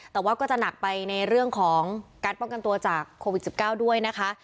แต่ว่าก็จะหนักไปในเรื่องของการป้องกันตัวจากโควิด๑๙ด้วยนะคะ